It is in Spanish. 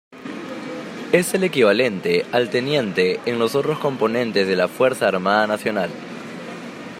Es el equivalente al Teniente en los otros componentes de la Fuerza Armada Nacional.